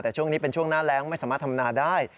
แต่ช่วงนี้เป็นช่วงหน้าแรงไม่สามารถทำนาได้